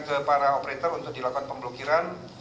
ke para operator untuk dilakukan pemblokiran